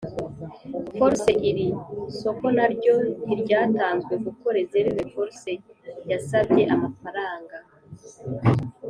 Force iri soko naryo ntiryatanzwe kuko Reserve force yasabye amafaranga